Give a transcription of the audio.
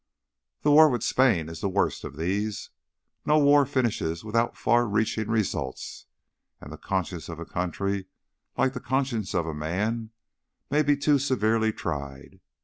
The war with Spain is the worst of these. No war finishes without far reaching results, and the conscience of a country, like the conscience of a man, may be too severely tried.